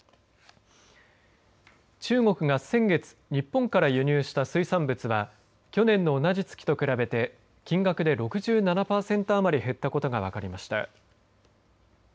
中国が先月日本から輸入した水産物は去年の同じ月と比べて金額で６７パーセント余り減ったことが分かりました。